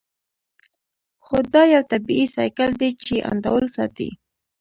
هو دا یو طبیعي سایکل دی چې انډول ساتي